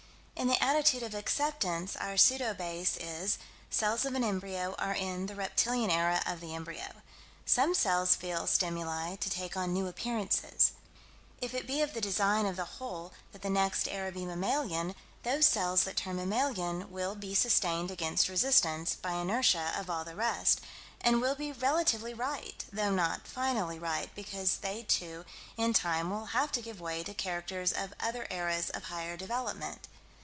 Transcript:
In the attitude of Acceptance, our pseudo base is: Cells of an embryo are in the reptilian era of the embryo; Some cells feel stimuli to take on new appearances. If it be of the design of the whole that the next era be mammalian, those cells that turn mammalian will be sustained against resistance, by inertia, of all the rest, and will be relatively right, though not finally right, because they, too, in time will have to give way to characters of other eras of higher development.